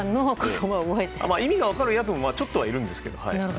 意味が分かるやつもちょっとはいるんですけどね。